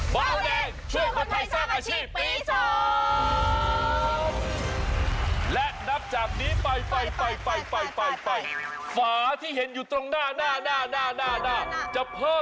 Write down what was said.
เบาแดงช่วยคนไทยสร้างอาชีพปี๒